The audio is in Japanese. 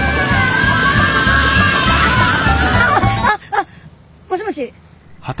ああもしもし。